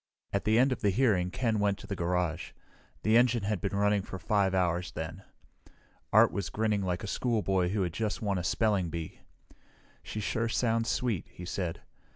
At the end of the hearing Ken went to the garage. The engine had been running for 5 hours then. Art was grinning like a schoolboy who had just won a spelling bee. "She sure sounds sweet," he said.